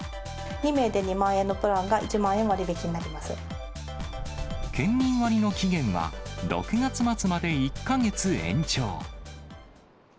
２名で２万円のプランが、県民割の期限は、６月末まで１か月延長。